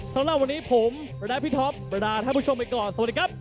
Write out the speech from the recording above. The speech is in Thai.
สำหรับวันนี้ผมและพี่ท็อปเวลาท่านผู้ชมไปก่อนสวัสดีครับ